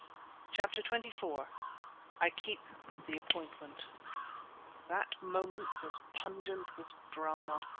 CHAPTER XXIV I KEEP THE APPOINTMENT That moment was pungent with drama.